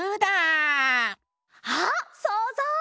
あっそうぞう！